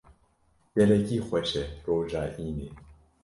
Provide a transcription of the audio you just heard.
Gelekî xweş e, roja înê.